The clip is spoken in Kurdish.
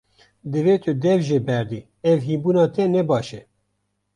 Divê tu dev jê berdî, ev hînbûna te ne baş e.